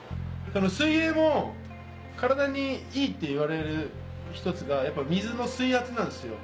水泳も体にいいっていわれる一つが水圧なんですよ。